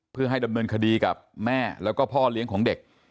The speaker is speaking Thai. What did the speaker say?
เพื่อให้ดำเนินคดีกับแม่แล้วก็พ่อเลี้ยงของเด็ก